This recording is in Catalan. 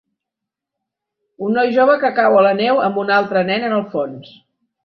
un noi jove que cau a la neu amb un altre nen en el fons